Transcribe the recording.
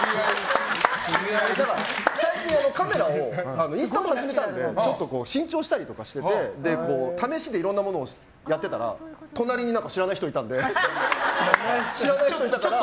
最近カメラをインスタも始めたので新調したりとかしてて、試しでいろいろなものをやってたら隣に知らない人がいたから。